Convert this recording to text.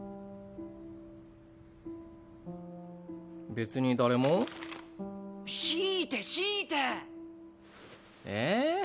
別に誰も強いて強いてええ？